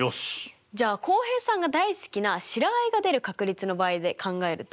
じゃあ浩平さんが大好きな白あえが出る確率の場合で考えると？